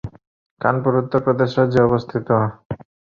কানপুর উত্তর প্রদেশ রাজ্যে অবস্থিত।